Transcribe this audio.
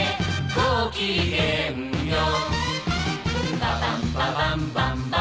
ごきげんよう。